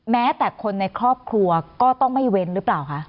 แม้แต่คนในครอบครัวก็ต้องไม่เว้นหรือเปล่าคะ